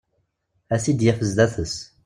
A t-id-yaf sdat-s.